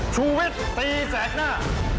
ชูวิทย์ตีแสกหน้า